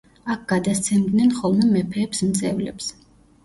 აქ გადასცემდნენ ხოლმე მეფეებს მძევლებს.